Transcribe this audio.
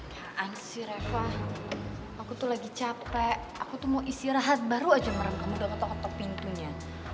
kean sih reva aku tuh lagi capek aku tuh mau istirahat baru aja merangkang lo udah kotok kotok pintunya